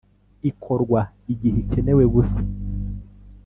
ikorwa igihe ikenewe gusa